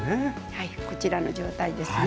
はいこちらの状態ですね。